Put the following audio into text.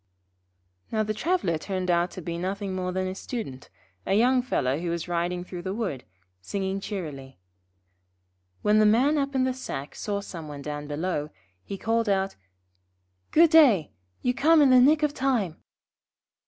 Now the traveller turned out to be nothing more than a Student, a young fellow who was riding through the wood, singing cheerily. When the Man up in the sack saw some one down below, he called out: 'Good day. You come in the nick of time.'